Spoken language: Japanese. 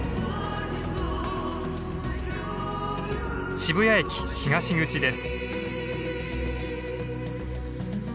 渋谷駅東口です。